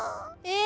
え⁉